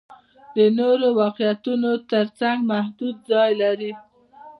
د نورو واقعیتونو تر څنګ محدود ځای لري.